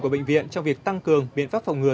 của bệnh viện trong việc tăng cường biện pháp phòng ngừa